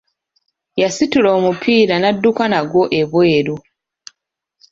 Yasitula omupiira n'adduka nagwo ebweru.